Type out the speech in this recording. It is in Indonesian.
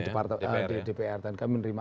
masukkan dari dpr dan kami menerima